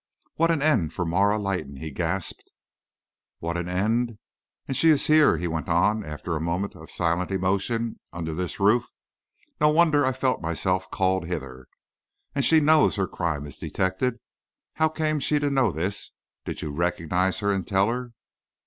"What an end for Marah Leighton!" he gasped. "What an end! And she is here!" he went on, after a moment of silent emotion "under this roof! No wonder I felt myself called hither. And she knows her crime is detected? How came she to know this? Did you recognize her and tell her?"